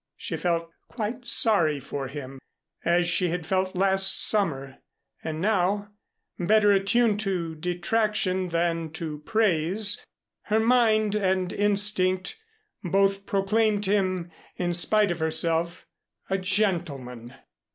She felt quite sorry for him, as she had felt last summer, and now, better attuned to detraction than to praise, her mind and instinct both proclaimed him, in spite of herself a gentleman.